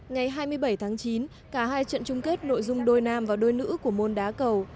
ngày hai mươi bảy tháng chín cả hai trận chung kết nội dung đôi nam và đôi nữ của môn đá cầu